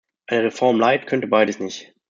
Eine Reform light könnte beides nicht.